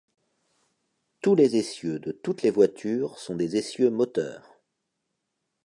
Tous les essieux de toutes les voitures sont des essieux moteurs.